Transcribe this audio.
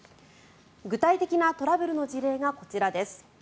具体的なトラブルの事例がこちらです。